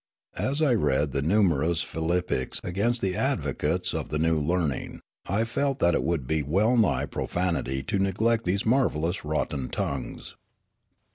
As I read the numerous philippics against the advo cates of the new learning, I felt that it would be well nigh profanity to neglect these marvellous rotten tongues.